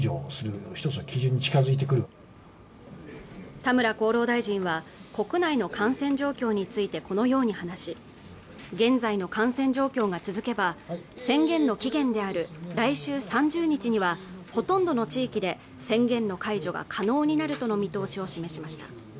田村厚労大臣は、国内の感染状況についてこのように話し、現在の感染状況が続けば、宣言の期限である来週３０日にはほとんどの地域で、宣言の解除が可能になるとの見通しを示しました。